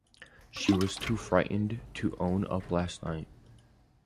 She was too frightened to own up last night.